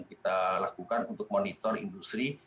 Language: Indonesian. kita lakukan untuk monitor industri